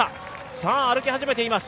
さあ、歩き始めています。